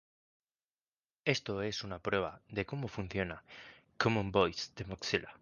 Asimismo, fue becaria del Programa Fulbright.